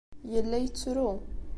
Yella yettru.